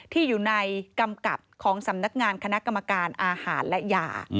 ที่อยู่ในกำกับของสำนักงานคณะกรรมการอาหารและยา